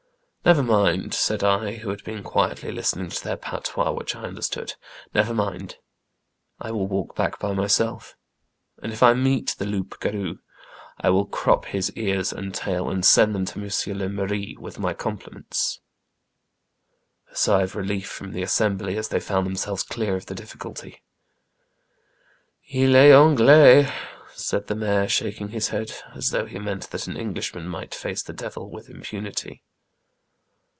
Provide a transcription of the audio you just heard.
" Never mind," said I, who had been quietly listening to their patois, which I understood. Never mind ; I will walk back by myself, and if I meet the loup garou I will crop his ears and tail, and send them to M. le Maire with my compliments." A sigh of relief from the assembly, as they found themselves clear of the difl&culty. " II est Anglais," said the mayor, shaking his head, as though he meant that an Englishman might face the devil with impunity.